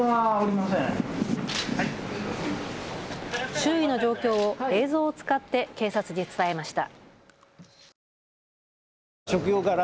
周囲の状況を映像を使って警察に伝えました。